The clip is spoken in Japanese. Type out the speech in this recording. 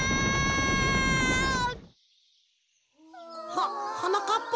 ははなかっぱ？